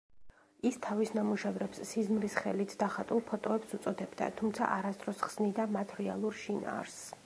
ის თავის ნამუშევრებს სიზმრის ხელით დახატულ ფოტოებს უწოდებდა, თუმცა, არასდროს ხსნიდა მათ რეალურ შინაარსს.